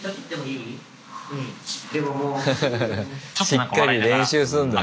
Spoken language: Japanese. しっかり練習すんだね。